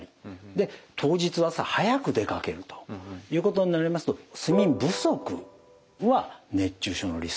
で当日朝早く出かけるということになりますと睡眠不足は熱中症のリスクになりやすいんですね。